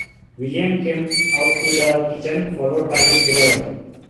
William came out to the kitchen, followed by his beloved.